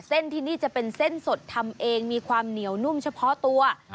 ที่นี่จะเป็นเส้นสดทำเองมีความเหนียวนุ่มเฉพาะตัว